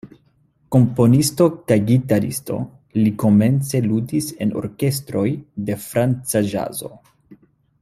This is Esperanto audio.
Komponisto kaj gitaristo, li komence ludis en orkestroj de franca ĵazo.